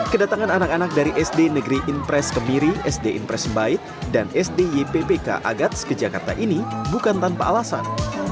kedatangan anak anak dari sd negeri impres kemiri sd impres bait dan sd yppk agats ke jakarta ini bukan tanpa alasan